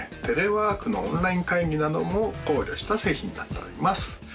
テレワークのオンライン会議なども考慮した製品になっております